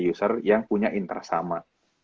user yang punya interest sama